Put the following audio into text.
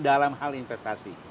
dalam hal investasi